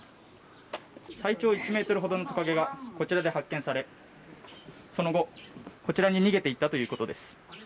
体長１ｍほどのトカゲがこちらで発見されその後、こちらに逃げて行ったということです。